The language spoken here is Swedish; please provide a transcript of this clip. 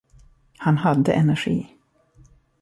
Han hade energi.